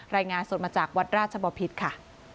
รายงานสดมาจากวัดราชบพิษค่ะ